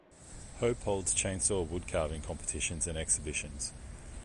Hope holds chainsaw wood carving competitions and exhibitions.